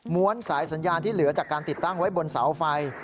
สายสัญญาณที่เหลือจากการติดตั้งไว้บนเสาไฟ